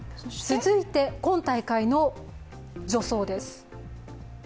続いて今大会の助走です。